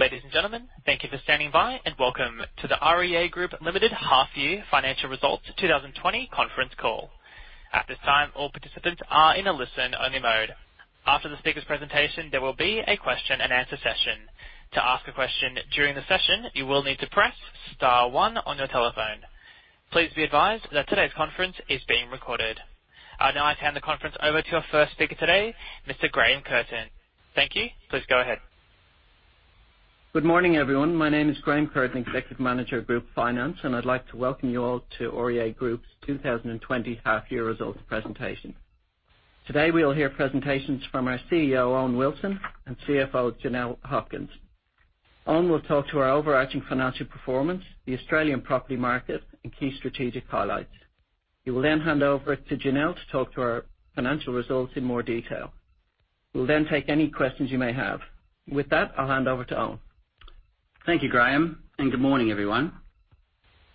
Ladies and gentlemen, thank you for standing by and welcome to the REA Group Unlimited Half-Year Financial Results 2020 Conference Call. At this time, all participants are in a listen-only mode. After the speaker's presentation, there will be a question-and-answer session. To ask a question during the session, you will need to press star one on your telephone. Please be advised that today's conference is being recorded. Now, I turn the conference over to our first speaker today, Mr. Graham Curtin. Thank you. Please go ahead. Good morning, everyone. My name is Graham Curtin, Executive Manager of Group Finance, and I'd like to welcome you all to REA Group's 2020 Half-Year Results Presentation. Today, we'll hear presentations from our CEO, Owen Wilson, and CFO, Janelle Hopkins. Owen will talk to our overarching financial performance, the Australian property market, and key strategic highlights. He will then hand over to Janelle to talk to our financial results in more detail. We'll then take any questions you may have. With that, I'll hand over to Owen. Thank you, Graham, and good morning, everyone.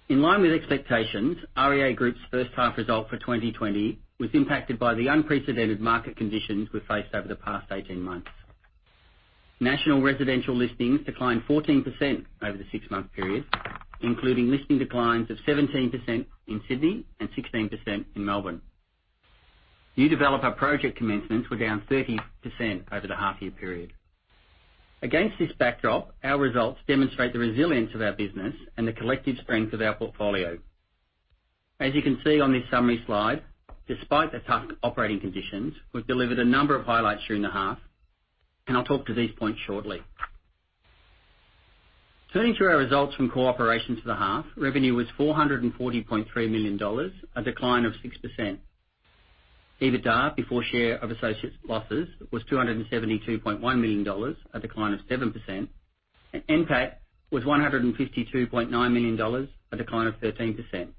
In line with expectations, REA Group's first half result for 2020 was impacted by the unprecedented market conditions we've faced over the past 18 months. National residential listings declined 14% over the six-month period, including listing declines of 17% in Sydney and 16% in Melbourne. New developer project commencements were down 30% over the half-year period. Against this backdrop, our results demonstrate the resilience of our business and the collective strength of our portfolio. As you can see on this summary slide, despite the tough operating conditions, we've delIvored a number of highlights during the half, and I'll talk to these points shortly. Turning to our results from core operations for the half, revenue was 440.3 million dollars, a decline of 6%. EBITDA, before share of associates' losses, was 272.1 million dollars, a decline of 7%, and NPAT was 152.9 million dollars, a decline of 13%.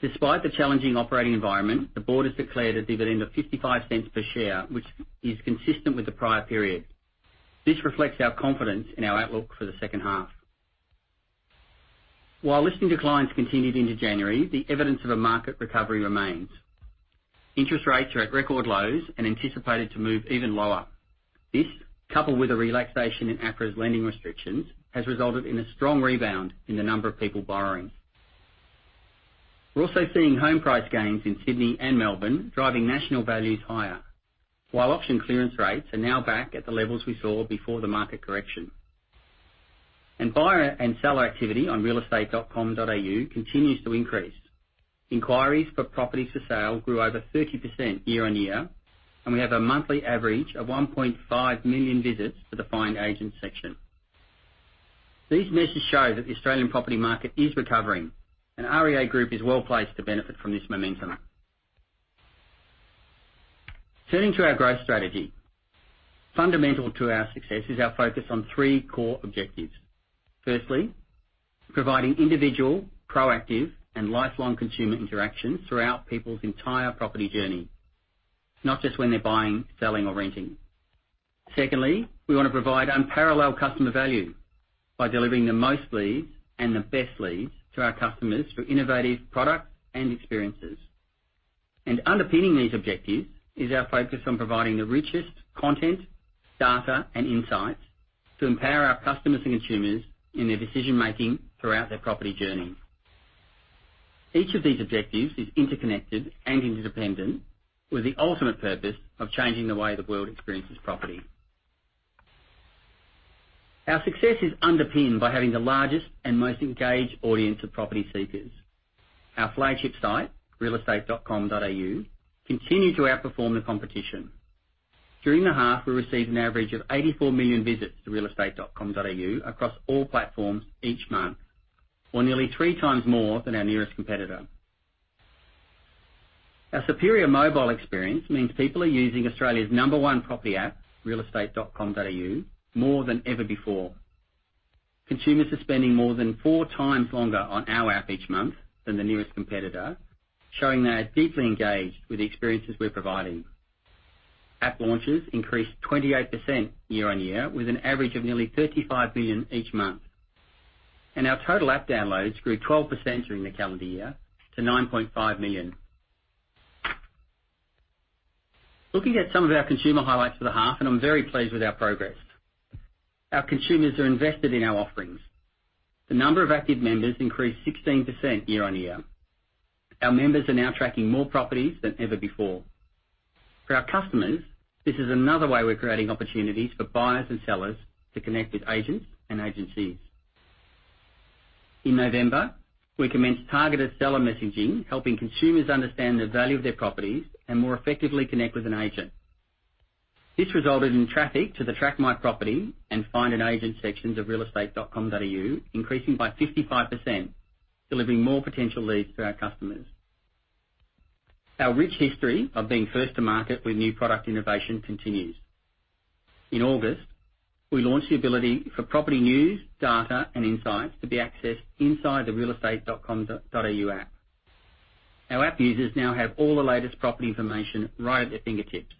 Despite the challenging operating environment, the board has declared a dividend of 0.55 per share, which is consistent with the prior period. This reflects our confidence in our outlook for the second half. While listing declines continued into January, the evidence of a market recovery remains. Interest rates are at record lows and anticipated to move even lower. This, coupled with the relaxation in ACRA's lending restrictions, has resulted in a strong rebound in the number of people borrowing. We're also seeing home price gains in Sydney and Melbourne driving national values higher, while auction clearance rates are now back at the levels we saw before the market correction. Buyer and seller activity on realestate.com.au continues to increase. Inquiries for properties for sale grew over 30% year on year, and we have a monthly average of 1.5 million visits to the find agent section. These measures show that the Australian property market is recovering, and REA Group is well placed to benefit from this momentum. Turning to our growth strategy, fundamental to our success is our focus on three core objectives. Firstly, providing individual, proactive, and lifelong consumer interactions throughout people's entire property journey, not just when they're buying, selling, or renting. Secondly, we want to provide unparalleled customer value by delIvoring the most leads and the best leads to our customers for innovative products and experiences. Underpinning these objectives is our focus on providing the richest content, data, and insights to empower our customers and consumers in their decision-making throughout their property journey. Each of these objectives is interconnected and interdependent, with the ultimate purpose of changing the way the world experiences property. Our success is underpinned by having the largest and most engaged audience of property seekers. Our flagship site, realestate.com.au, continues to outperform the competition. During the half, we received an average of 84 million visits to realestate.com.au across all platforms each month, or nearly three times more than our nearest competitor. Our superior mobile experience means people are using Australia's number one property app, realestate.com.au, more than ever before. Consumers are spending more than four times longer on our app each month than the nearest competitor, showing they are deeply engaged with the experiences we're providing. App launches increased 28% year on year, with an average of nearly 35 million each month. Our total app downloads grew 12% during the calendar year to 9.5 million. Looking at some of our consumer highlights for the half, I'm very pleased with our progress. Our consumers are invested in our offerings. The number of active members increased 16% year on year. Our members are now tracking more properties than ever before. For our customers, this is another way we're creating opportunities for buyers and sellers to connect with agents and agencies. In November, we commenced targeted seller messaging, helping consumers understand the value of their properties and more effectively connect with an agent. This resulted in traffic to the Track My Property and Find An Agent sections of realestate.com.au increasing by 55%, delIvoring more potential leads to our customers. Our rich history of being first to market with new product innovation continues. In August, we launched the ability for property news, data, and insights to be accessed inside the realestate.com.au app. Our app users now have all the latest property information right at their fingertips,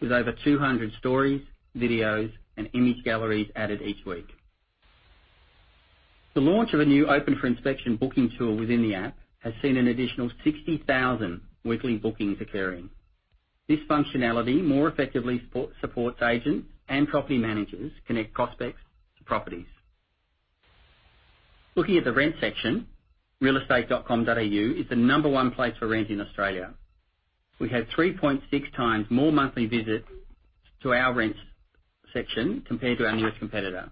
with over 200 stories, videos, and image galleries added each week. The launch of a new open-for-inspection booking tool within the app has seen an additional 60,000 weekly bookings occurring. This functionality more effectively supports agents and property managers connect prospects to properties. Looking at the rent section, realestate.com.au is the number one place for rent in Australia. We have 3.6 times more monthly visits to our rent section compared to our nearest competitor.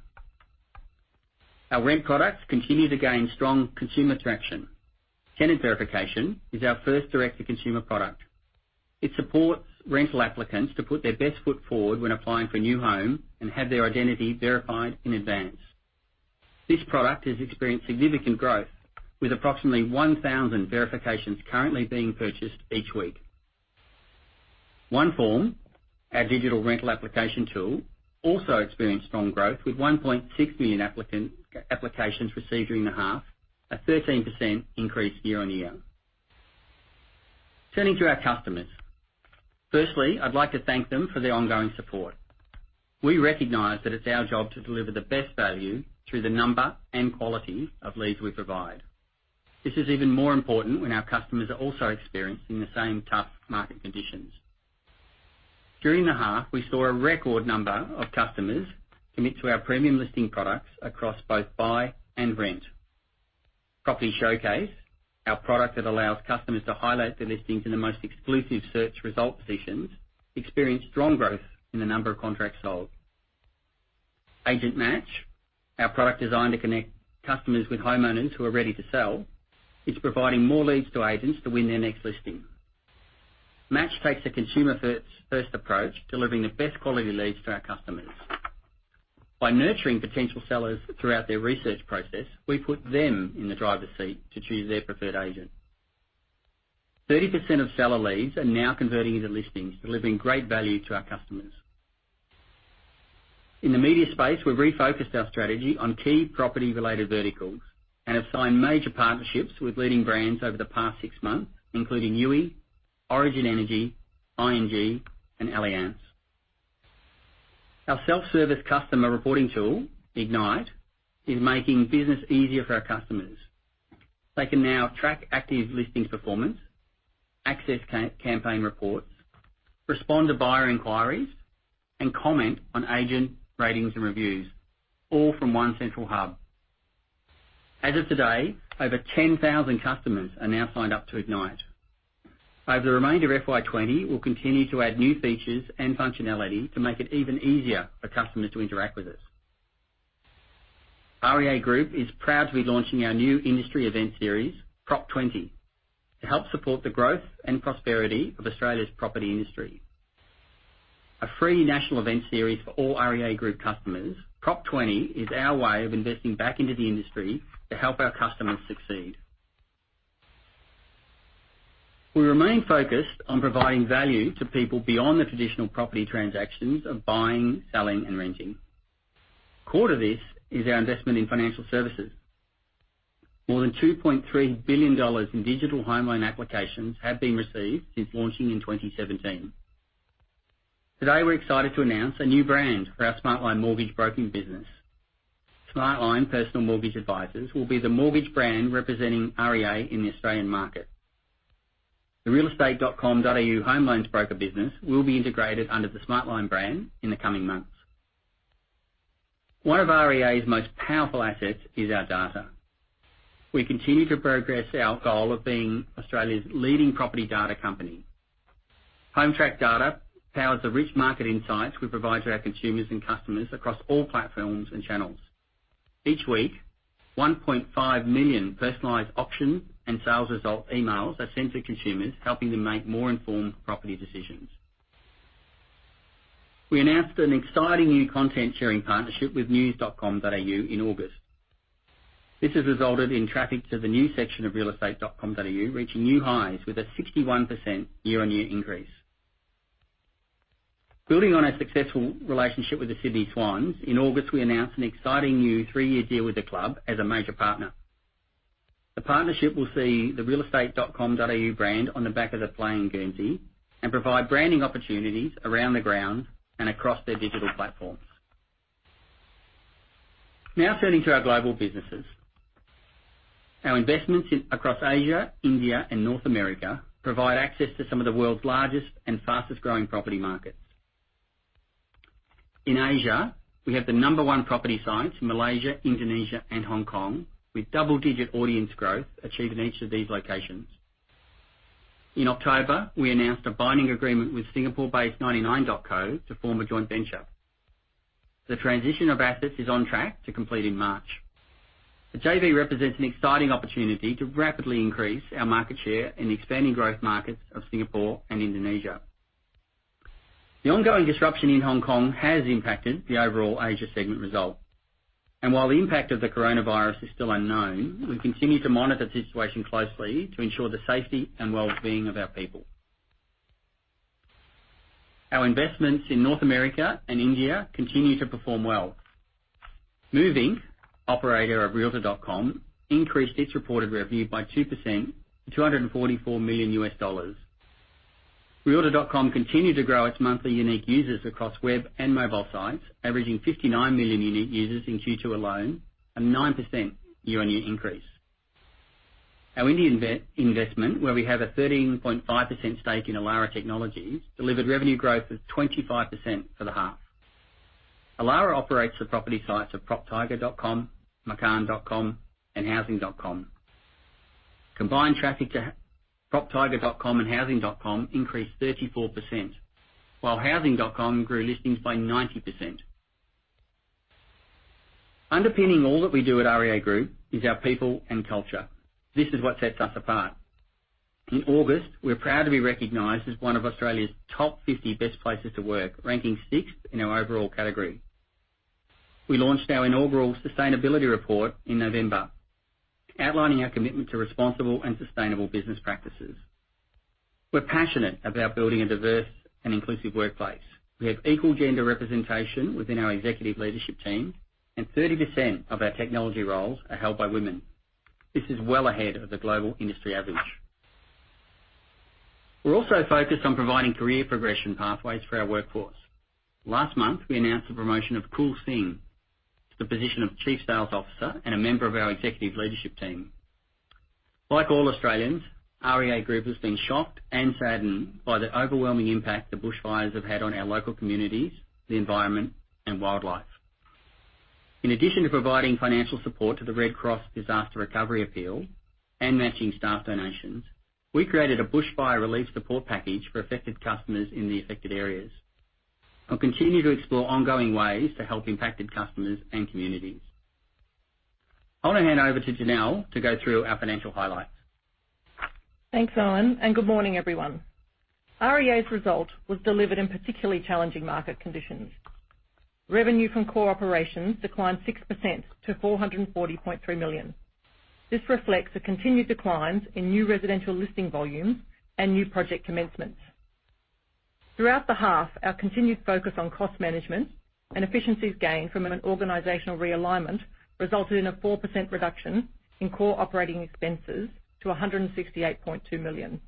Our rent products continue to gain strong consumer traction. Tenant Verification is our first direct-to-consumer product. It supports rental applicants to put their best foot forward when applying for a new home and have their identity verified in advance. This product has experienced significant growth, with approximately 1,000 verifications currently being purchased each week. OneForm, our digital rental application tool, also experienced strong growth, with 1.6 million applications received during the half, a 13% increase year on year. Turning to our customers, firstly, I'd like to thank them for their ongoing support. We recognize that it's our job to delIvor the best value through the number and quality of leads we provide. This is even more important when our customers are also experiencing the same tough market conditions. During the half, we saw a record number of customers commit to our premium listing products across both buy and rent. Property Showcase, our product that allows customers to highlight their listings in the most exclusive search result positions, experienced strong growth in the number of contracts sold. Agent Match, our product designed to connect customers with homeowners who are ready to sell, is providing more leads to agents to win their next listing. Match takes a consumer-first approach, delIvoring the best quality leads to our customers. By nurturing potential sellers throughout their research process, we put them in the drIvor's seat to choose their preferred agent. 30% of seller leads are now converting into listings, delIvoring great value to our customers. In the media space, we have refocused our strategy on key property-related verticals and have signed major partnerships with leading brands over the past six months, including EWI, Origin Energy, ING, and Allianz. Our self-service customer reporting tool, Ignite, is making business easier for our customers. They can now track active listings performance, access campaign reports, respond to buyer inquiries, and comment on agent ratings and reviews, all from one central hub. As of today, over 10,000 customers are now signed up to Ignite. Over the remainder of FY2020, we will continue to add new features and functionality to make it even easier for customers to interact with us. REA Group is proud to be launching our new industry event series, Prop 20, to help support the growth and prosperity of Australia's property industry. A free national event series for all REA Group customers, Prop 20 is our way of investing back into the industry to help our customers succeed. We remain focused on providing value to people beyond the traditional property transactions of buying, selling, and renting. Core to this is our investment in financial services. More than 2.3 billion dollars in digital home loan applications have been received since launching in 2017. Today, we're excited to announce a new brand for our Smartline mortgage broking business. Smartline Personal Mortgage Advisors will be the mortgage brand representing REA in the Australian market. The realestate.com.au home loans broker business will be integrated under the Smartline brand in the coming months. One of REA's most powerful assets is our data. We continue to progress our goal of being Australia's leading property data company. Hometrack Data powers the rich market insights we provide to our consumers and customers across all platforms and channels. Each week, 1.5 million personalized option and sales result emails are sent to consumers, helping them make more informed property decisions. We announced an exciting new content-sharing partnership with news.com.au in August. This has resulted in traffic to the new section of realestate.com.au, reaching new highs with a 61% year-on-year increase. Building on our successful relationship with the Sydney Swans, in August, we announced an exciting new three-year deal with the club as a major partner. The partnership will see the realestate.com.au brand on the back of the playing Guernsey and provide branding opportunities around the ground and across their digital platforms. Now, turning to our global businesses. Our investments across Asia, India, and North America provide access to some of the world's largest and fastest-growing property markets. In Asia, we have the number one property sites in Malaysia, Indonesia, and Hong Kong, with double-digit audience growth achieved in each of these locations. In October, we announced a binding agreement with Singapore-based 99.co to form a joint venture. The transition of assets is on track to complete in March. The JV represents an exciting opportunity to rapidly increase our market share in the expanding growth markets of Singapore and Indonesia. The ongoing disruption in Hong Kong has impacted the overall Asia segment result. While the impact of the coronavirus is still unknown, we continue to monitor the situation closely to ensure the safety and well-being of our people. Our investments in North America and India continue to perform well. Move, operator of realtor.com, increased its reported revenue by 2% to $244 million. Realtor.com continued to grow its monthly unique users across web and mobile sites, averaging 59 million unique users in Q2 alone, a 9% year-on-year increase. Our Indian investment, where we have a 13.5% stake in Elara Technologies, delIvored revenue growth of 25% for the half. Elara operates the property sites of proptiger.com, makaan.com, and housing.com. Combined traffic to proptiger.com and housing.com increased 34%, while housing.com grew listings by 90%. Underpinning all that we do at REA Group is our people and culture. This is what sets us apart. In August, we are proud to be recognized as one of Australia's top 50 best places to work, ranking sixth in our overall category. We launched our inaugural sustainability report in November, outlining our commitment to responsible and sustainable business practices. We're passionate about building a dIvorse and inclusive workplace. We have equal gender representation within our executive leadership team, and 30% of our technology roles are held by women. This is well ahead of the global industry average. We're also focused on providing career progression pathways for our workforce. Last month, we announced the promotion of Kool Singh to the position of Chief Sales Officer and a member of our executive leadership team. Like all Australians, REA Group has been shocked and saddened by the overwhelming impact the bushfires have had on our local communities, the environment, and wildlife. In addition to providing financial support to the Red Cross Disaster Recovery Appeal and matching staff donations, we created a bushfire relief support package for affected customers in the affected areas. We'll continue to explore ongoing ways to help impacted customers and communities. I want to hand over to Janelle to go through our financial highlights. Thanks, Owen, and good morning, everyone. REA's result was delIvored in particularly challenging market conditions. Revenue from core operations declined 6% to 440.3 million. This reflects a continued decline in new residential listing volumes and new project commencements. Throughout the half, our continued focus on cost management and efficiencies gained from an organizational realignment resulted in a 4% reduction in core operating expenses to 168.2 million,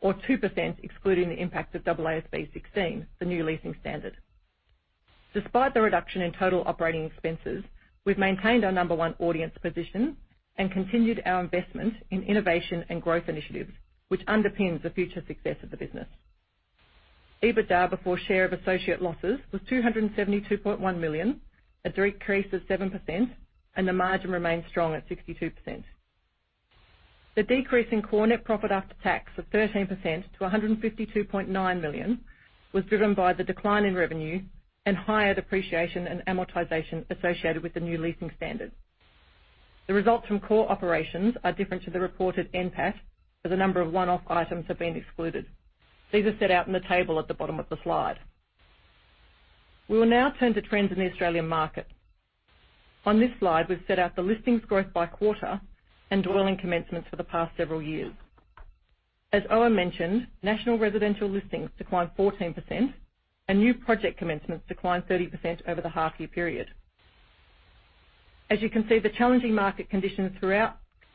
or 2% excluding the impact of AASB 16, the new leasing standard. Despite the reduction in total operating expenses, we've maintained our number one audience position and continued our investment in innovation and growth initiatives, which underpins the future success of the business. EBITDA before share of associate losses was 272.1 million, a decrease of 7%, and the margin remained strong at 62%. The decrease in core net profit after tax of 13% to 152.9 million was driven by the decline in revenue and higher depreciation and amortization associated with the new leasing standard. The results from core operations are different to the reported NPAT, but the number of one-off items have been excluded. These are set out in the table at the bottom of the slide. We will now turn to trends in the Australian market. On this slide, we've set out the listings growth by quarter and dwelling commencements for the past several years. As Owen mentioned, national residential listings declined 14%, and new project commencements declined 30% over the half-year period. As you can see, the challenging market conditions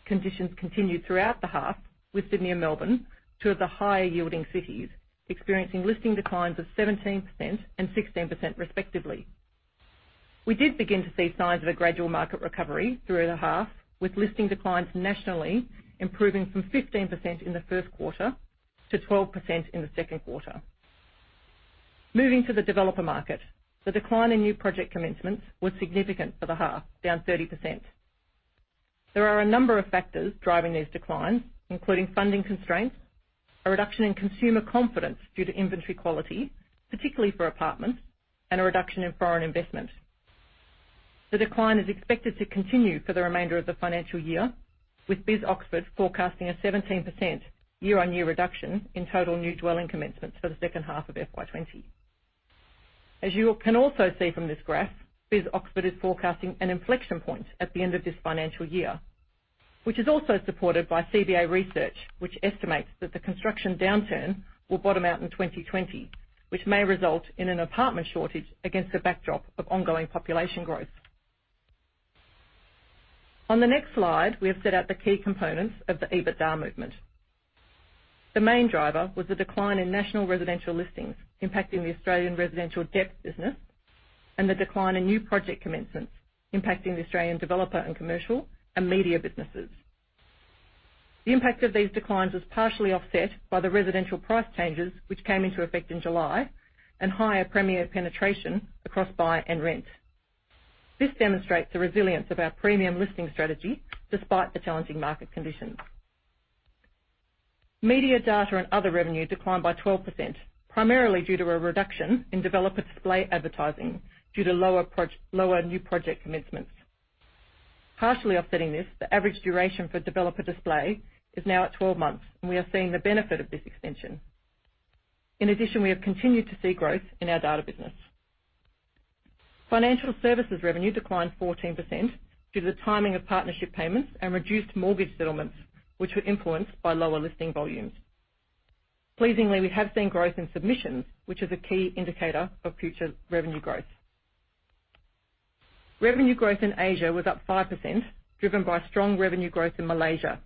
continued throughout the half with Sydney and Melbourne, two of the higher-yielding cities, experiencing listing declines of 17% and 16%, respectively. We did begin to see signs of a gradual market recovery through the half, with listing declines nationally improving from 15% in the first quarter to 12% in the second quarter. Moving to the developer market, the decline in new project commencements was significant for the half, down 30%. There are a number of factors driving these declines, including funding constraints, a reduction in consumer confidence due to inventory quality, particularly for apartments, and a reduction in foreign investment. The decline is expected to continue for the remainder of the financial year, with BIS Oxford forecasting a 17% year-on-year reduction in total new dwelling commencements for the second half of FY2020. As you can also see from this graph, BIS Oxford is forecasting an inflection point at the end of this financial year, which is also supported by CBA Research, which estimates that the construction downturn will bottom out in 2020, which may result in an apartment shortage against the backdrop of ongoing population growth. On the next slide, we have set out the key components of the EBITDA movement. The main drIvor was the decline in national residential listings impacting the Australian residential debt business and the decline in new project commencements impacting the Australian developer and commercial and media businesses. The impact of these declines was partially offset by the residential price changes, which came into effect in July, and higher premier penetration across buy and rent. This demonstrates the resilience of our premium listing strategy despite the challenging market conditions. Media data and other revenue declined by 12%, primarily due to a reduction in developer display advertising due to lower new project commencements. Partially offsetting this, the average duration for developer display is now at 12 months, and we are seeing the benefit of this extension. In addition, we have continued to see growth in our data business. Financial services revenue declined 14% due to the timing of partnership payments and reduced mortgage settlements, which were influenced by lower listing volumes. Pleasingly, we have seen growth in submissions, which is a key indicator of future revenue growth. Revenue growth in Asia was up 5%, driven by strong revenue growth in Malaysia,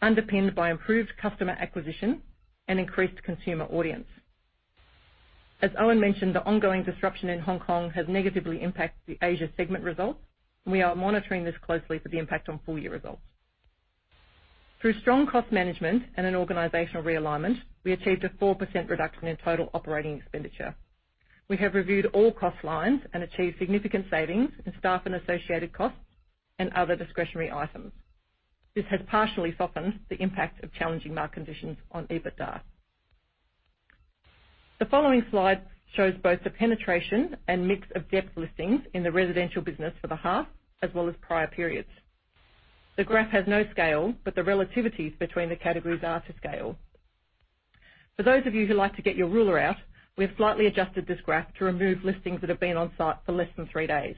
underpinned by improved customer acquisition and increased consumer audience. As Owen mentioned, the ongoing disruption in Hong Kong has negatively impacted the Asia segment result, and we are monitoring this closely for the impact on full-year results. Through strong cost management and an organizational realignment, we achieved a 4% reduction in total operating expenditure. We have reviewed all cost lines and achieved significant savings in staff and associated costs and other discretionary items. This has partially softened the impact of challenging market conditions on EBITDA. The following slide shows both the penetration and mix of debt listings in the residential business for the half, as well as prior periods. The graph has no scale, but the relativities between the categories are to scale. For those of you who like to get your ruler out, we have slightly adjusted this graph to remove listings that have been on site for less than three days.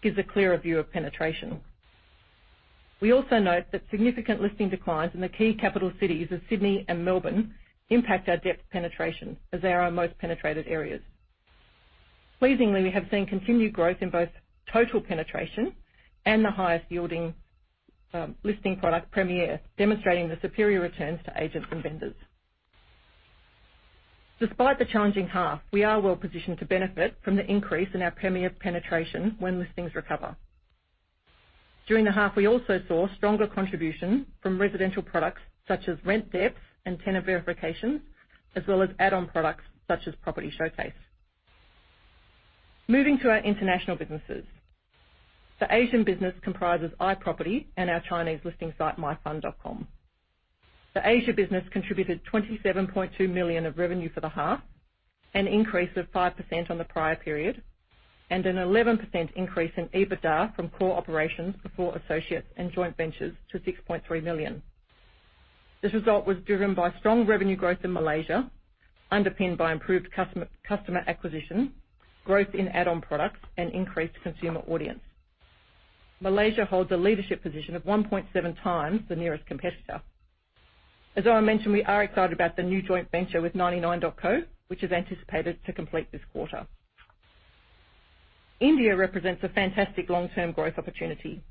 It gives a clearer view of penetration. We also note that significant listing declines in the key capital cities of Sydney and Melbourne impact our debt penetration, as they are our most penetrated areas. Pleasingly, we have seen continued growth in both total penetration and the highest-yielding listing product, Premier, demonstrating the superior returns to agents and vendors. Despite the challenging half, we are well-positioned to benefit from the increase in our Premier penetration when listings recover. During the half, we also saw stronger contribution from residential products such as Rent Debts and Tenant Verification, as well as add-on products such as Property Showcase. Moving to our international businesses. The Asian business comprises iProperty and our Chinese listing site, myfund.com. The Asia business contributed 27.2 million of revenue for the half, an increase of 5% on the prior period, and an 11% increase in EBITDA from core operations before associates and joint ventures to 6.3 million. This result was driven by strong revenue growth in Malaysia, underpinned by improved customer acquisition, growth in add-on products, and increased consumer audience. Malaysia holds a leadership position of 1.7 times the nearest competitor. As Owen mentioned, we are excited about the new joint venture with 99.co, which is anticipated to complete this quarter. India represents a fantastic long-term growth opportunity.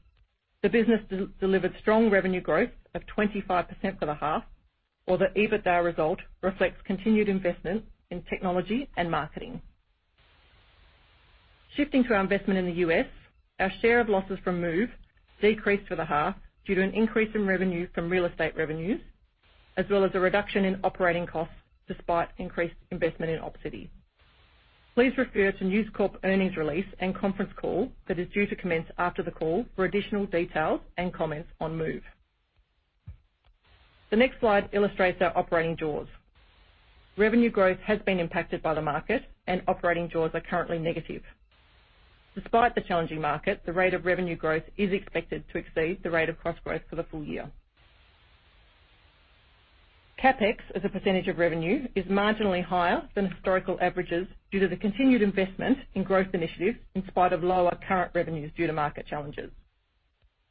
The business delIvored strong revenue growth of 25% for the half, while the EBITDA result reflects continued investment in technology and marketing. Shifting to our investment in the US, our share of losses from Move decreased for the half due to an increase in revenue from real estate revenues, as well as a reduction in operating costs despite increased investment in OPCity. Please refer to News Corp earnings release and conference call that is due to commence after the call for additional details and comments on Move. The next slide illustrates our operating draws. Revenue growth has been impacted by the market, and operating draws are currently negative. Despite the challenging market, the rate of revenue growth is expected to exceed the rate of cost growth for the full year. CapEx, as a percentage of revenue, is marginally higher than historical averages due to the continued investment in growth initiatives in spite of lower current revenues due to market challenges.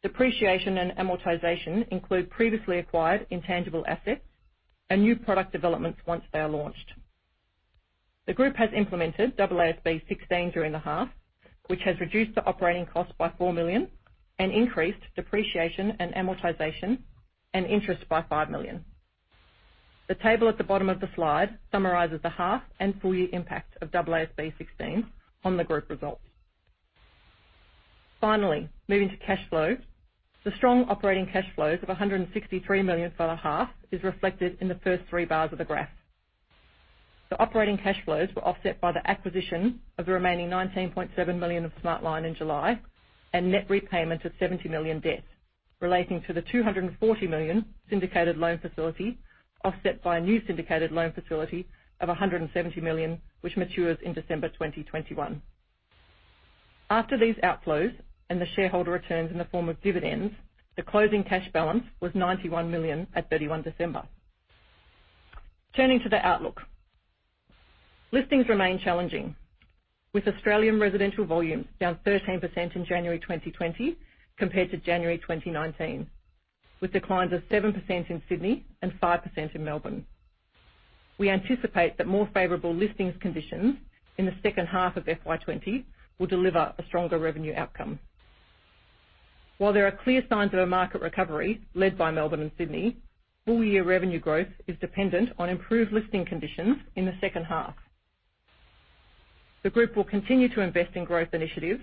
Depreciation and amortization include previously acquired intangible assets and new product developments once they are launched. The Group has implemented AASB 16 during the half, which has reduced the operating cost by 4 million and increased depreciation and amortization and interest by 5 million. The table at the bottom of the slide summarizes the half and full-year impact of AASB 16 on the Group results. Finally, moving to cash flows, the strong operating cash flows of 163 million for the half are reflected in the first three bars of the graph. The operating cash flows were offset by the acquisition of the remaining 19.7 million of Smartline in July and net repayment of 70 million debt, relating to the 240 million syndicated loan facility offset by a new syndicated loan facility of 170 million, which matures in December 2021. After these outflows and the shareholder returns in the form of dividends, the closing cash balance was 91 million at 31 December. Turning to the outlook, listings remain challenging, with Australian residential volumes down 13% in January 2020 compared to January 2019, with declines of 7% in Sydney and 5% in Melbourne. We anticipate that more favorable listings conditions in the second half of FY2020 will delIvor a stronger revenue outcome. While there are clear signs of a market recovery led by Melbourne and Sydney, full-year revenue growth is dependent on improved listing conditions in the second half. The Group will continue to invest in growth initiatives,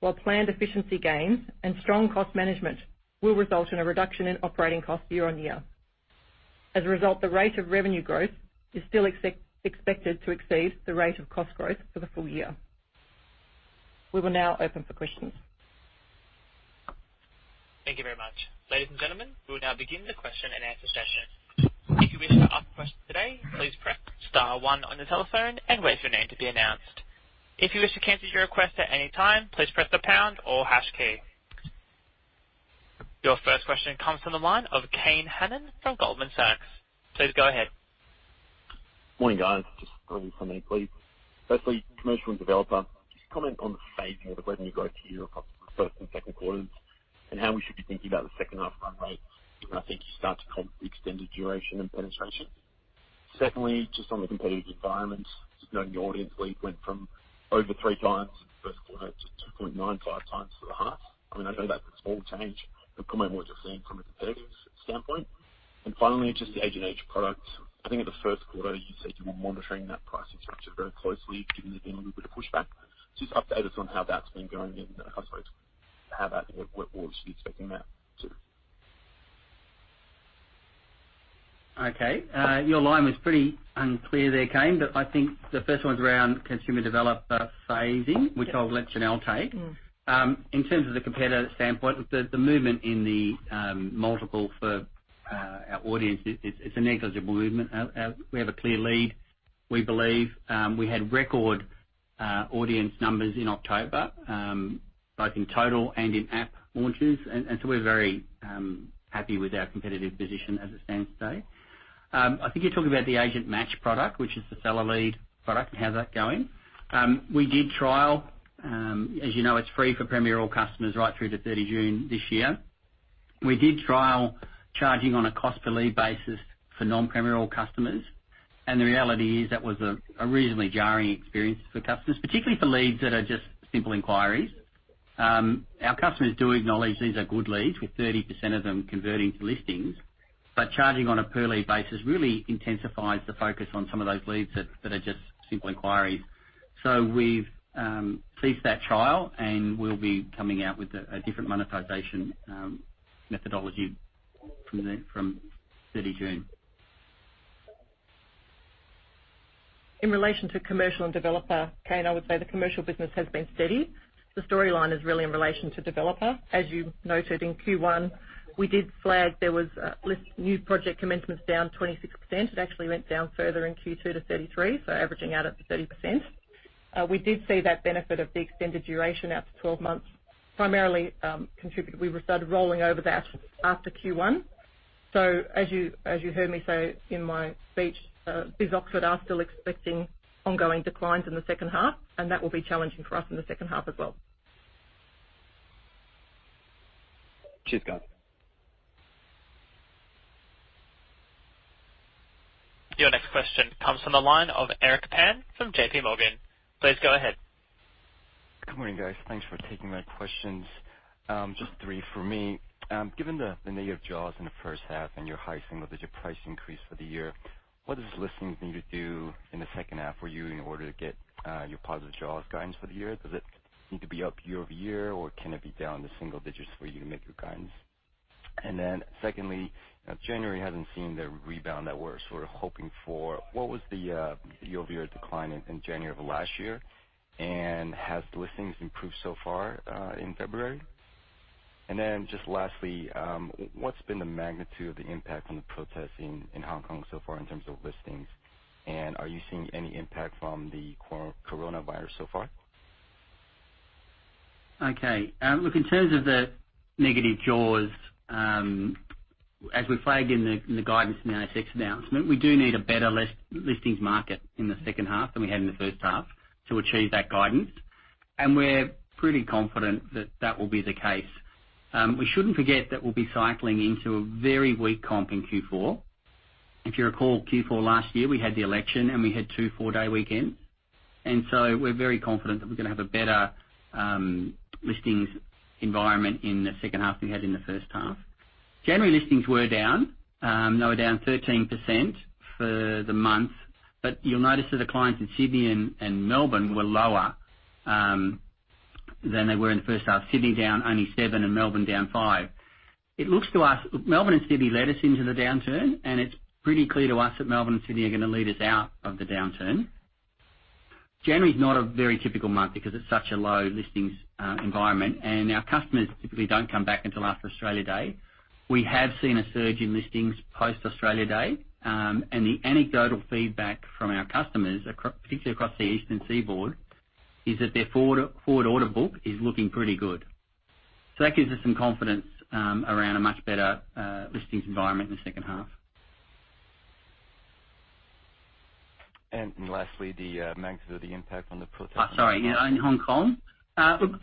while planned efficiency gains and strong cost management will result in a reduction in operating costs year-on-year. As a result, the rate of revenue growth is still expected to exceed the rate of cost growth for the full year. We will now open for questions. Thank you very much. Ladies and gentlemen, we will now begin the question and answer session. If you wish to ask a question today, please press star one on your telephone and wait for your name to be announced. If you wish to cancel your request at any time, please press the pound or hash key. Your first question comes from the line of Kane Hannan from Goldman Sachs. Please go ahead. Morning, guys. Just a quick comment, please. Firstly, commercial and developer, just a comment on the phasing of the revenue growth here across the first and second quarters and how we should be thinking about the second half run rate, given I think you start to come to extended duration and penetration. Secondly, just on the competitive environment, just knowing your audience, we went from over three times in the first quarter to 2.95 times for the half. I mean, I know that's a small change, but comment on what you're seeing from a competitive standpoint. Finally, just the agent-agent product. I think in the first quarter, you said you were monitoring that price structure very closely, given there's been a little bit of pushback. Just update us on how that's been going and how that, what you should be expecting that to. Okay. Your line was pretty unclear there, Kane, but I think the first one's around consumer developer phasing, which I'll let Janelle take. In terms of the competitor standpoint, the movement in the multiple for our audience, it's a negligible movement. We have a clear lead, we believe. We had record audience numbers in October, both in total and in app launches, and we are very happy with our competitive position as it stands today. I think you talked about the Agent Match product, which is the seller lead product, and how's that going? We did trial, as you know, it's free for Premier Listings customers right through to 30 June this year. We did trial charging on a cost-per-lead basis for non-Premier Listings customers, and the reality is that was a reasonably jarring experience for customers, particularly for leads that are just simple inquiries. Our customers do acknowledge these are good leads, with 30% of them converting to listings, but charging on a per-lead basis really intensifies the focus on some of those leads that are just simple inquiries. We have ceased that trial, and we will be coming out with a different monetization methodology from 30 June. In relation to commercial and developer, Kane, I would say the commercial business has been steady. The storyline is really in relation to developer. As you noted in Q1, we did flag there was new project commencements down 26%. It actually went down further in Q2 to 33%, so averaging out at 30%. We did see that benefit of the extended duration out to 12 months primarily contributed. We were started rolling over that after Q1. As you heard me say in my speech, BIS Oxford are still expecting ongoing declines in the second half, and that will be challenging for us in the second half as well. Chief Gunn. Your next question comes from the line of Eric Pine from JPMorgan. Please go ahead. Good morning, guys. Thanks for taking my questions. Just three for me. Given the negative jaws in the first half and your high single-digit price increase for the year, what does listings need to do in the second half for you in order to get your positive jaws guidance for the year? Does it need to be up year over year, or can it be down to single digits for you to make your guidance? Secondly, January hasn't seen the rebound that we're sort of hoping for. What was the year-over-year decline in January of last year? Has listings improved so far in February? Lastly, what's been the magnitude of the impact on the protests in Hong Kong so far in terms of listings? Are you seeing any impact from the coronavirus so far? Okay. Look, in terms of the negative jaws, as we flagged in the guidance in the ASX announcement, we do need a better listings market in the second half than we had in the first half to achieve that guidance. We're pretty confident that that will be the case. We shouldn't forget that we'll be cycling into a very weak comp in Q4. If you recall, Q4 last year, we had the election, and we had two four-day weekends. We're very confident that we're going to have a better listings environment in the second half than we had in the first half. January listings were down. They were down 13% for the month, but you'll notice that the clients in Sydney and Melbourne were lower than they were in the first half. Sydney down only seven, and Melbourne down five. It looks to us, Melbourne and Sydney led us into the downturn, and it's pretty clear to us that Melbourne and Sydney are going to lead us out of the downturn. January is not a very typical month because it's such a low listings environment, and our customers typically don't come back until after Australia Day. We have seen a surge in listings post-Australia Day, and the anecdotal feedback from our customers, particularly across the Eastern Seaboard, is that their forward order book is looking pretty good. That gives us some confidence around a much better listings environment in the second half. Lastly, the magnitude of the impact on the protests. Sorry, in Hong Kong. Look,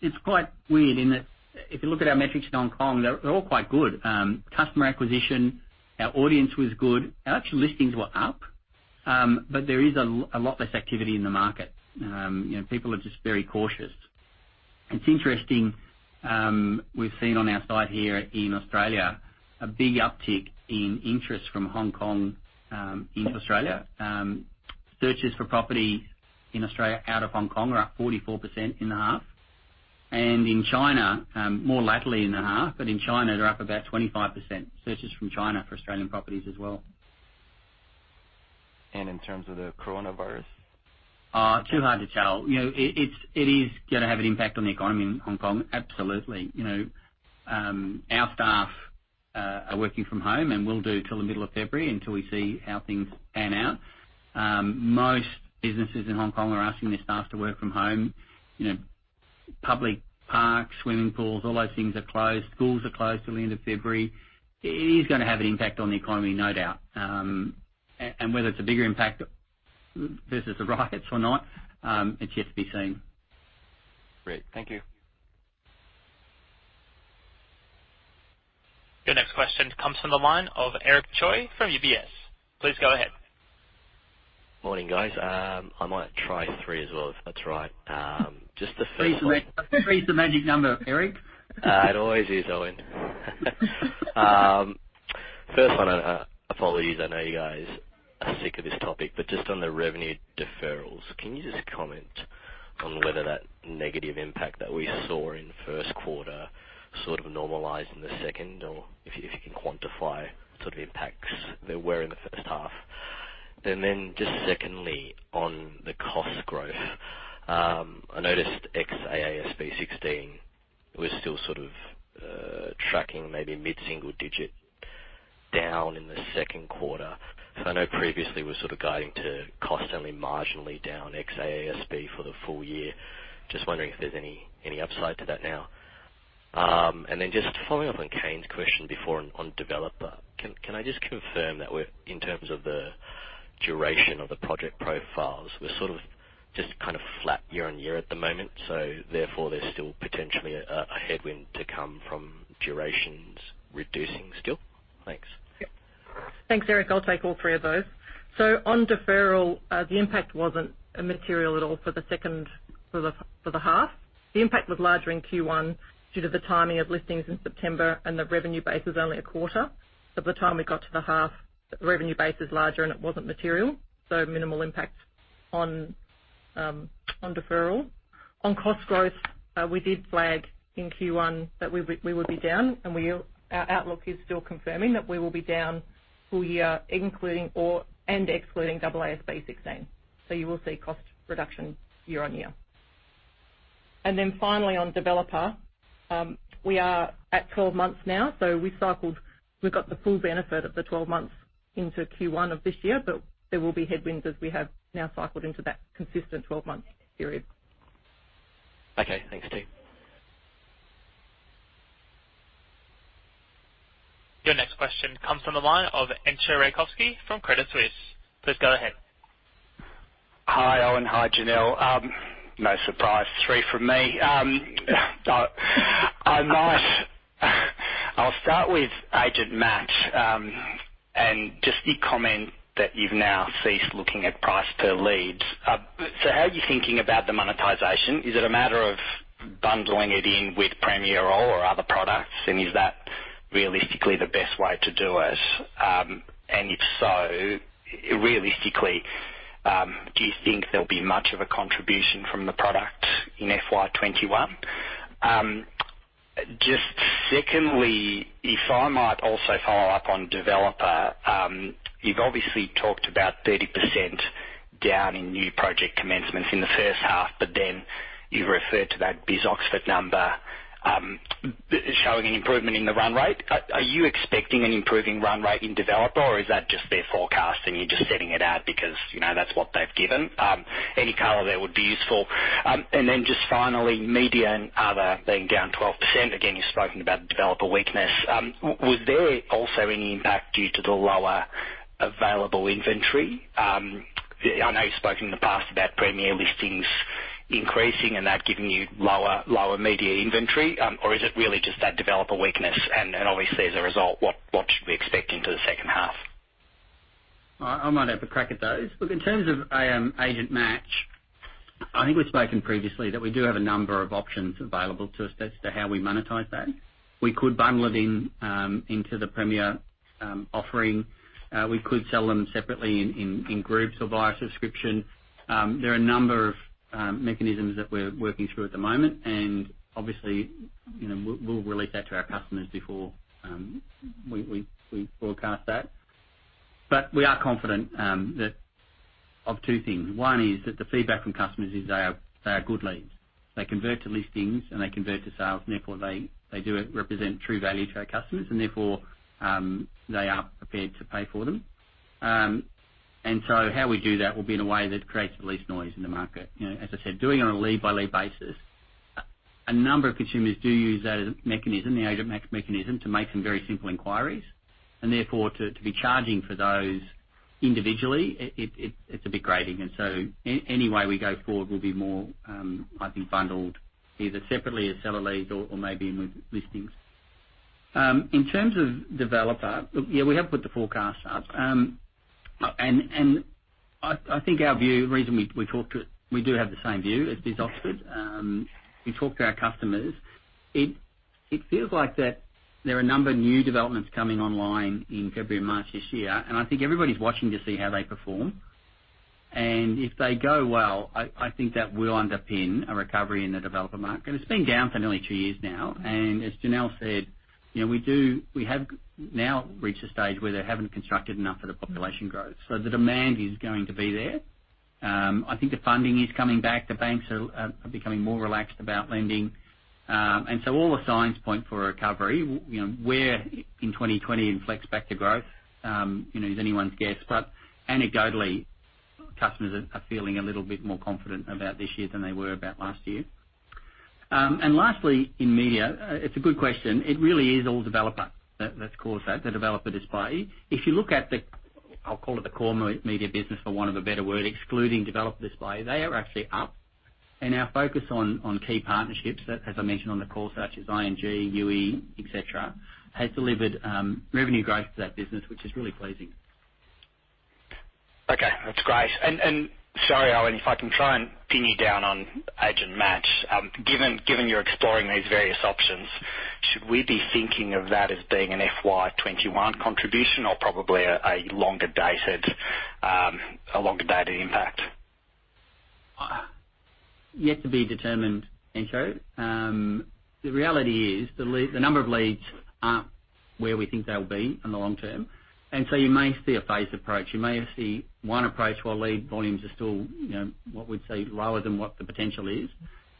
it's quite weird in that if you look at our metrics in Hong Kong, they're all quite good. Customer acquisition, our audience was good. Our actual listings were up, but there is a lot less activity in the market. People are just very cautious. It's interesting we've seen on our side here in Australia, a big uptick in interest from Hong Kong into Australia. Searches for property in Australia out of Hong Kong are up 44% in the half. In China, more latterly in the half, but in China, they're up about 25%. Searches from China for Australian properties as well. In terms of the coronavirus? Too hard to tell. It is going to have an impact on the economy in Hong Kong, absolutely. Our staff are working from home, and we'll do till the middle of February until we see how things pan out. Most businesses in Hong Kong are asking their staff to work from home. Public parks, swimming pools, all those things are closed. Schools are closed till the end of February. It is going to have an impact on the economy, no doubt. Whether it's a bigger impact versus the riots or not, it's yet to be seen. Great. Thank you. Your next question comes from the line of Eric Choi from UBS. Please go ahead. Morning, guys. I might try three as well, if that's all right. Just the first one. Three's the magic number, Eric. It always is, Owen. First one, I apologize. I know you guys are sick of this topic, but just on the revenue deferrals, can you just comment on whether that negative impact that we saw in first quarter sort of normalized in the second, or if you can quantify sort of impacts that were in the first half? Just secondly, on the cost growth, I noticed ex-AASB 16, it was still sort of tracking maybe mid-single digit down in the second quarter. I know previously we were sort of guiding to cost only marginally down ex-AASB for the full year. Just wondering if there's any upside to that now. Just following up on Kane's question before on developer, can I just confirm that in terms of the duration of the project profiles, we're sort of just kind of flat year on year at the moment, so therefore there's still potentially a headwind to come from durations reducing still? Thanks. Thanks, Eric. I'll take all three of those. On deferral, the impact wasn't material at all for the second for the half. The impact was larger in Q1 due to the timing of listings in September, and the revenue base was only a quarter. By the time we got to the half, the revenue base was larger, and it wasn't material. Minimal impact on deferral. On cost growth, we did flag in Q1 that we would be down, and our outlook is still confirming that we will be down full year, including and excluding AASB 16. You will see cost reduction year on year. Finally, on developer, we are at 12 months now, so we have got the full benefit of the 12 months into Q1 of this year, but there will be headwinds as we have now cycled into that consistent 12-month period. Okay. Thanks, team. Your next question comes from the line of Entcho Raykovski from Credit Suisse. Please go ahead. Hi, Owen. Hi, Janelle. No surprise. Three from me. I will start with Agent Match and just the comment that you have now ceased looking at price per leads. How are you thinking about the monetization? Is it a matter of bundling it in with Premier Listings or other products, and is that realistically the best way to do it? If so, realistically, do you think there'll be much of a contribution from the product in FY2021? Just secondly, if I might also follow up on developer, you've obviously talked about 30% down in new project commencements in the first half, but then you've referred to that BIS Oxford number showing an improvement in the run rate. Are you expecting an improving run rate in developer, or is that just their forecast, and you're just setting it out because that's what they've given? Any color there would be useful. Just finally, media and other being down 12%. Again, you've spoken about developer weakness. Was there also any impact due to the lower available inventory? I know you've spoken in the past about Premier Listings increasing and that giving you lower media inventory, or is it really just that developer weakness? Obviously, as a result, what should we expect into the second half? I might have a crack at those. Look, in terms of Agent Match, I think we've spoken previously that we do have a number of options available to us as to how we monetize that. We could bundle it into the Premier offering. We could sell them separately in groups or via subscription. There are a number of mechanisms that we're working through at the moment, and obviously, we'll release that to our customers before we broadcast that. We are confident of two things. One is that the feedback from customers is they are good leads. They convert to listings, and they convert to sales, and therefore they do represent true value to our customers, and therefore they are prepared to pay for them. How we do that will be in a way that creates the least noise in the market. As I said, doing it on a lead-by-lead basis, a number of consumers do use that as a mechanism, the Agent Match mechanism, to make some very simple inquiries. Therefore, to be charging for those individually, it's a bit grating. Any way we go forward will be more, I think, bundled either separately as seller leads or maybe with listings. In terms of developer, look, yeah, we have put the forecast up. I think our view, the reason we talked to it, we do have the same view as BizOxford. We talked to our customers. It feels like that there are a number of new developments coming online in February and March this year, and I think everybody's watching to see how they perform. If they go well, I think that will underpin a recovery in the developer market. It's been down for nearly two years now. As Janelle said, we have now reached a stage where they haven't constructed enough for the population growth. The demand is going to be there. I think the funding is coming back. The banks are becoming more relaxed about lending. All the signs point for a recovery. Where in 2020 inflects back to growth is anyone's guess. Anecdotally, customers are feeling a little bit more confident about this year than they were about last year. Lastly, in media, it's a good question. It really is all developer. That's caused that, the developer disparity. If you look at the, I'll call it the core media business for want of a better word, excluding developer disparity, they are actually up. Our focus on key partnerships that, as I mentioned on the call, such as ING, UE, etc., has delIvored revenue growth to that business, which is really pleasing. Okay. That's great. Sorry, Owen, if I can try and pin you down on Agent Match, given you're exploring these various options, should we be thinking of that as being an FY2021 contribution or probably a longer-dated impact? Yet to be determined, Entcho. The reality is the number of leads aren't where we think they'll be in the long term. You may see a phased approach. You may see one approach where lead volumes are still, what we'd say, lower than what the potential is,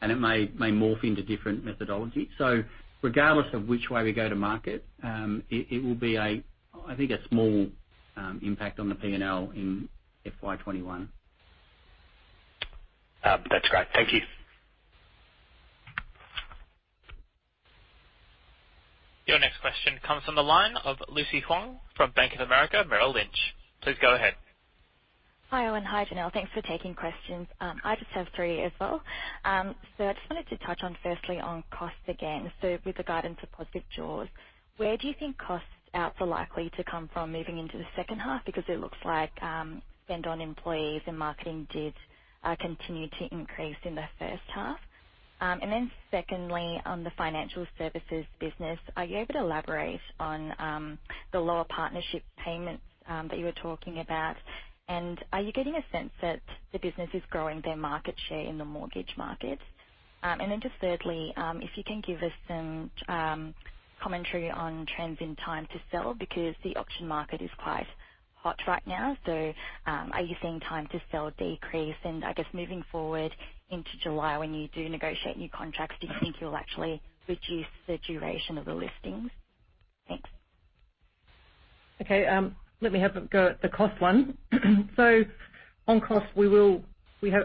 and it may morph into different methodology. Regardless of which way we go to market, it will be, I think, a small impact on the P&L in FY2021. That's great. Thank you. Your next question comes from the line of Lucy Huang from BofA Merrill Lynch. Please go ahead. Hi, Owen. Hi, Janelle. Thanks for taking questions. I just have three as well. I just wanted to touch on firstly on costs again. With regard to positive jaws, where do you think costs out for likely to come from moving into the second half? It looks like spend on employees and marketing did continue to increase in the first half. And then secondly, on the financial services business, are you able to elaborate on the lower partnership payments that you were talking about? Are you getting a sense that the business is growing their market share in the mortgage market? Thirdly, if you can give us some commentary on trends in time to sell because the auction market is quite hot right now. Are you seeing time to sell decrease? I guess moving forward into July, when you do negotiate new contracts, do you think you'll actually reduce the duration of the listings? Thanks. Okay. Let me have a go at the cost one. On cost,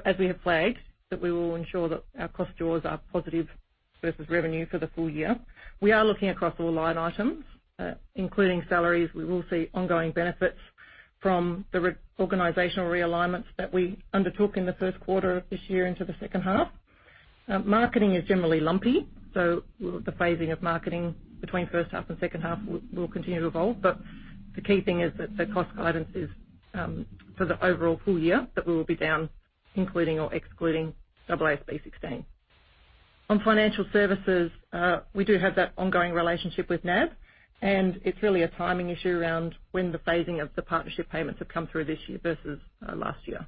as we have flagged, we will ensure that our cost jaws are positive versus revenue for the full year. We are looking across all line items, including salaries. We will see ongoing benefits from the organizational realignments that we undertook in the first quarter of this year into the second half. Marketing is generally lumpy, so the phasing of marketing between first half and second half will continue to evolve. The key thing is that the cost guidance is for the overall full year that we will be down, including or excluding AASB 16. On financial services, we do have that ongoing relationship with NAB, and it's really a timing issue around when the phasing of the partnership payments have come through this year versus last year.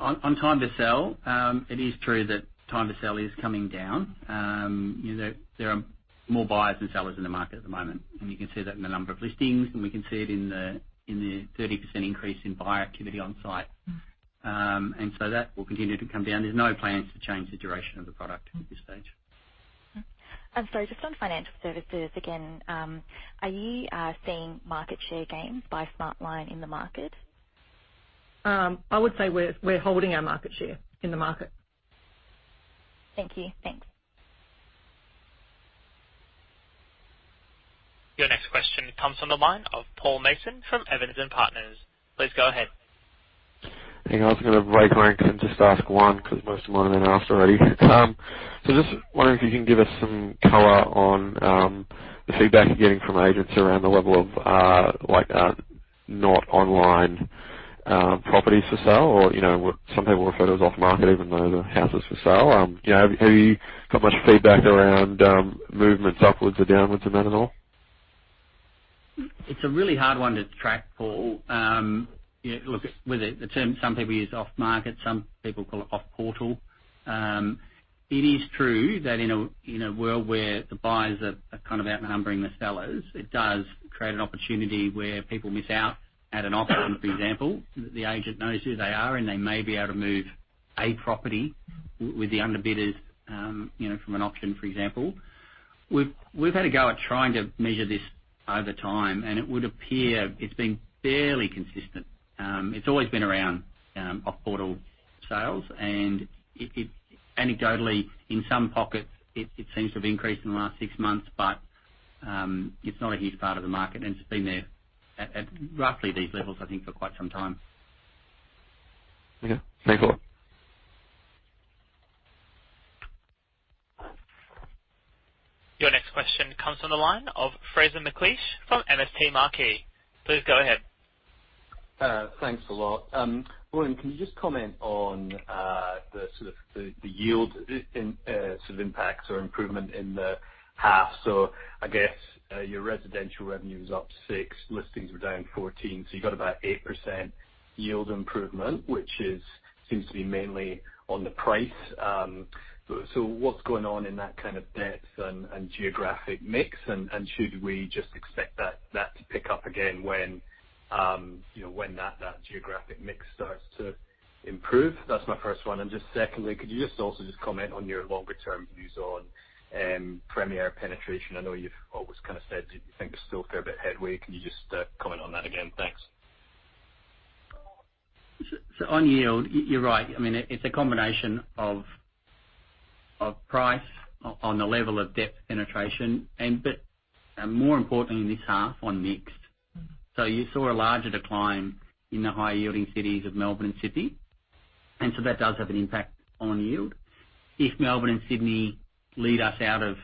On time to sell, it is true that time to sell is coming down. There are more buyers than sellers in the market at the moment, and you can see that in the number of listings, and we can see it in the 30% increase in buyer activity on site. That will continue to come down. There are no plans to change the duration of the product at this stage. Just on financial services again, are you seeing market share gains by Smartline in the market? I would say we are holding our market share in the market. Thank you. Thanks. Your next question comes from the line of Paul Mason from Evans & Partners. Please go ahead. I think I was going to break ranks and just ask one because most of them are in and out already. Just wondering if you can give us some color on the feedback you are getting from agents around the level of not online properties for sale, or some people refer to as off-market even though the house is for sale. Have you got much feedback around movements upwards or downwards in that at all? It's a really hard one to track, Paul. Look, the term some people use is off-market. Some people call it off-portal. It is true that in a world where the buyers are kind of outnumbering the sellers, it does create an opportunity where people miss out at an auction, for example. The agent knows who they are, and they may be able to move a property with the underbidders from an auction, for example. We've had a go at trying to measure this over time, and it would appear it's been fairly consistent. It's always been around off-portal sales, and anecdotally, in some pockets, it seems to have increased in the last six months, but it's not a huge part of the market, and it's been there at roughly these levels, I think, for quite some time. Okay. Thank you. Your next question comes from the line of Fraser McLeish from MST Marquee. Please go ahead. Thanks a lot. Owen, can you just comment on the sort of yield sort of impacts or improvement in the half? I guess your residential revenue was up to 6. Listings were down 14. You have got about 8% yield improvement, which seems to be mainly on the price. What is going on in that kind of depth and geographic mix? Should we just expect that to pick up again when that geographic mix starts to improve? That is my first one. Secondly, could you also just comment on your longer-term views on premier penetration? I know you have always kind of said you think there is still a fair bit of headway. Can you just comment on that again? Thanks. On yield, you are right. I mean, it's a combination of price on the level of depth penetration, but more importantly in this half on mix. You saw a larger decline in the high-yielding cities of Melbourne and Sydney, and that does have an impact on yield. If Melbourne and Sydney lead us out of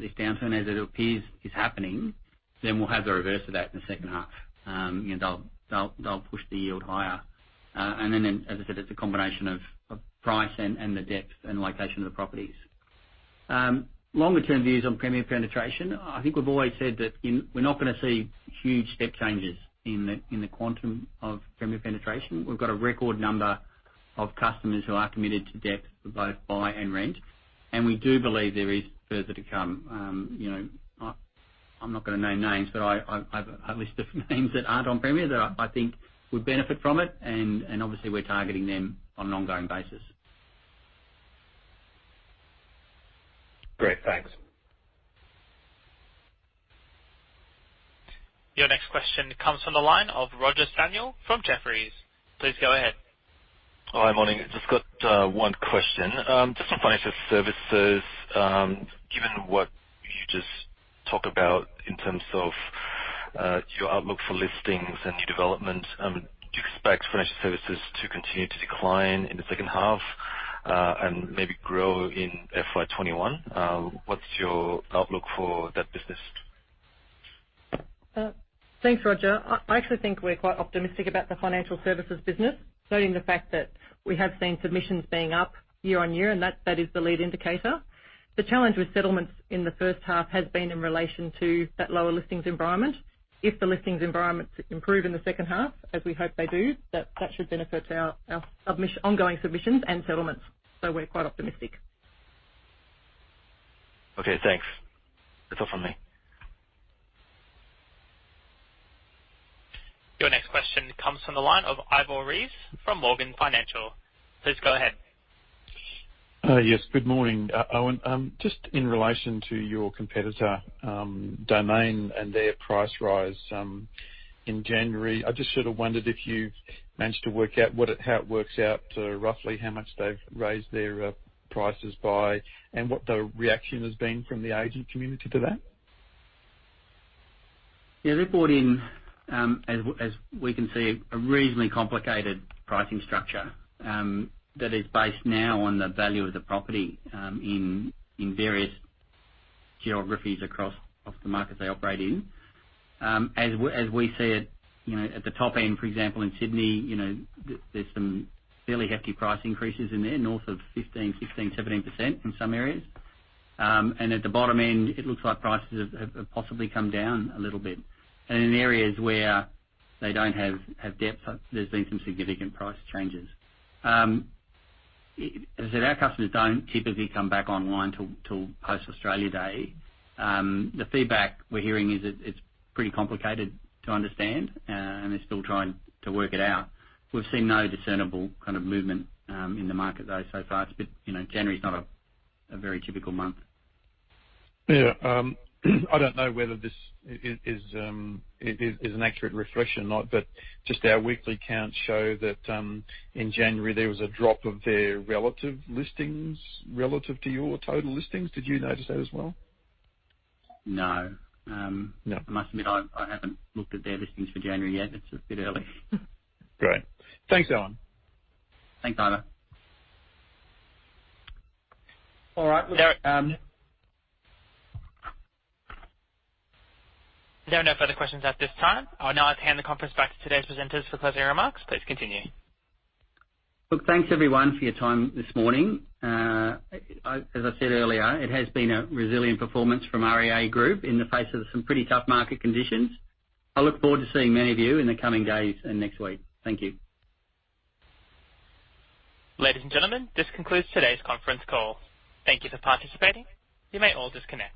this downturn as it appears is happening, we will have the reverse of that in the second half. They will push the yield higher. As I said, it's a combination of price and the depth and location of the properties. Longer-term views on premier penetration. I think we've always said that we're not going to see huge step changes in the quantum of premier penetration. We've got a record number of customers who are committed to depth for both buy and rent, and we do believe there is further to come. I'm not going to name names, but I've listed names that aren't on Premier that I think would benefit from it, and obviously, we're targeting them on an ongoing basis. Great. Thanks. Your next question comes from the line of Roger Samuel from Jefferies. Please go ahead. Hi, morning. Just got one question. Just on financial services, given what you just talked about in terms of your outlook for listings and new development, do you expect financial services to continue to decline in the second half and maybe grow in FY2021? What's your outlook for that business? Thanks, Roger. I actually think we're quite optimistic about the financial services business, noting the fact that we have seen submissions being up year on year, and that is the lead indicator. The challenge with settlements in the first half has been in relation to that lower listings environment. If the listings environments improve in the second half, as we hope they do, that should benefit our ongoing submissions and settlements. We are quite optimistic. Okay. Thanks. That's all from me. Your next question comes from the line of Ivor Rees from Morgan Financial. Please go ahead. Yes. Good morning, Owen. Just in relation to your competitor, Domain, and their price rise in January, I just should have wondered if you've managed to work out how it works out roughly how much they've raised their prices by and what the reaction has been from the agent community to that? Yeah. They've brought in, as we can see, a reasonably complicated pricing structure that is based now on the value of the property in various geographies across the markets they operate in. As we see it at the top end, for example, in Sydney, there's some fairly hefty price increases in there, north of 15%-17% in some areas. At the bottom end, it looks like prices have possibly come down a little bit. In areas where they don't have depth, there's been some significant price changes. As I said, our customers don't typically come back online till post-Australia Day. The feedback we're hearing is it's pretty complicated to understand, and they're still trying to work it out. We've seen no discernible kind of movement in the market, though, so far. January is not a very typical month. Yeah. I don't know whether this is an accurate reflection or not, but just our weekly counts show that in January, there was a drop of their relative listings relative to your total listings. Did you notice that as well? No. I must admit, I have not looked at their listings for January yet. It is a bit early. Great. Thanks, Owen. Thanks, Ivor. All right. Look. There are no further questions at this time. I will now hand the conference back to today's presenters for closing remarks. Please continue. Look, thanks everyone for your time this morning. As I said earlier, it has been a resilient performance from REA Group in the face of some pretty tough market conditions. I look forward to seeing many of you in the coming days and next week. Thank you. Ladies and gentlemen, this concludes today's conference call. Thank you for participating. You may all disconnect.